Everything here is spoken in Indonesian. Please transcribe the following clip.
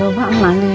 coba emang liat di sin